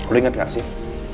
lo inget gak sih